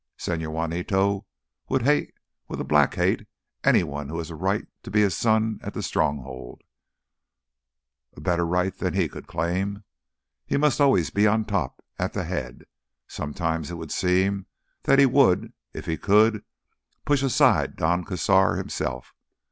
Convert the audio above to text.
Señor Juanito would hate with a black hate anyone who had a right to be a son at the Stronghold, a better right than he could claim. He must always be on top, at the head. Sometimes it would seem that he would, if he could, push aside Don Cazar himself....